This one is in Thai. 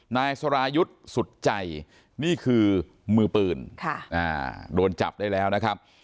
นายสรายุทธ์สุดใจนี่คือมือปืนโดนจับได้แล้วนะครับ